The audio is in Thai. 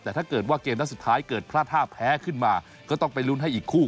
แต่ถ้าเกิดว่าเกมนัดสุดท้ายเกิดพลาดท่าแพ้ขึ้นมาก็ต้องไปลุ้นให้อีกคู่